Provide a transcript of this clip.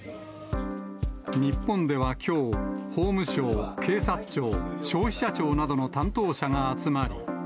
日本ではきょう、法務省、警察庁、消費者庁などの担当者が集まり。